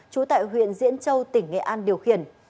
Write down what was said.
trú tại huyện diễn châu tỉnh nghệ an điều khiển